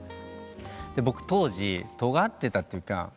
僕当時とがってたというか。